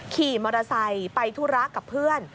ขี่มอเตอร์ไซค์ไปธุระกับเพื่อน